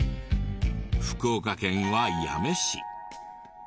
福岡県は八女市。